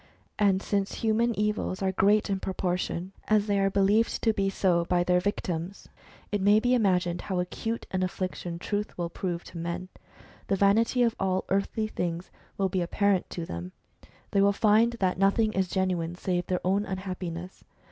And since human evils are great in proportion as they are believed to be so by their victims, it may be imagined how acute an affliction Truth will prove to men. The vanity of all earthly things will be apparent to them ; they will find that nothing is genuine save their own unhappiness.